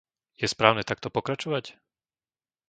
Je správne takto pokračovať?